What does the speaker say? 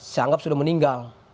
saya anggap sudah meninggal